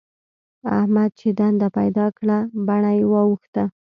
احمد چې دنده پيدا کړه؛ بڼه يې واوښته.